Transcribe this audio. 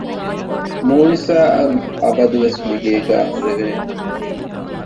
މޫނިސާ އަށް އަބަދުވެސް މިގޭގައި ހުރެވޭނެ